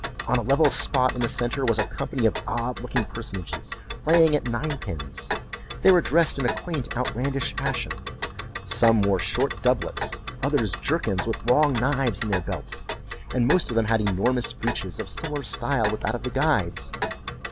On a level spot in the centre was a company of odd looking personages playing at nine pins. They were dressed in a quaint outlandish fashion; some wore short doublets, others jerkins, with long knives in their belts, and most of them had enormous breeches, of similar style with that of the guide's.